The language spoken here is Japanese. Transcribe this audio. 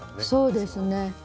そうですね。